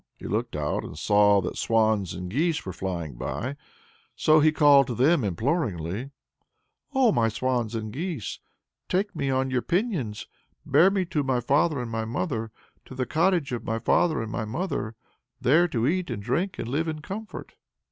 He looked out, and saw that swans and geese were flying by, so he called to them imploringly: Oh, my swans and geese, Take me on your pinions, Bear me to my father and my mother, To the cottage of my father and my mother, There to eat, and drink, and live in comfort.